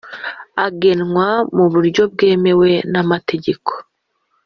agenwa mu buryo bwemewe n amategeko